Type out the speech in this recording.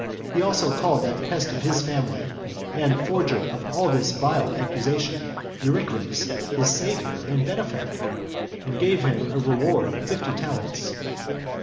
He also called that pest of his family, and forger of all this vile accusation, Eurycles, his savior and benefactor, and gave him a reward of fifty talents.